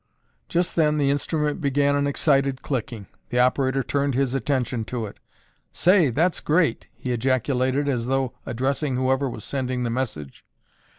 Just then the instrument began an excited clicking. The operator turned his attention to it. "Say, that's great!" he ejaculated as though addressing whoever was sending the message.